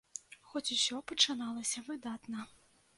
Хоць усё пачыналася выдатна.